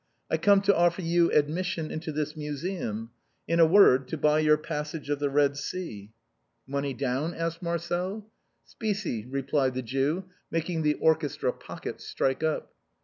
I come to offer you admission into this museum — in a word, to buy your * Passage of the Eed Sea.' "" Money down ?" asked Marcel. " Specie," replied the Jew, making the orchestra of his pockets strike up.